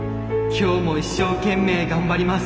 今日も一生懸命頑張ります。